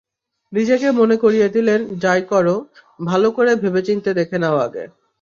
নিজেকে মনে করিয়ে দিলেন, যাই করো, ভালো করে ভেবেচিন্তে দেখে নাও আগে।